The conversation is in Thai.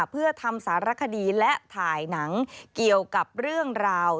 เพื่อทำสารคดีและถ่ายหนังเกี่ยวกับเรื่องราว